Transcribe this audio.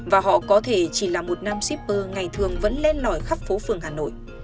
và họ có thể chỉ là một nam shipper ngày thường vẫn lên nổi khắp phố phường hà nội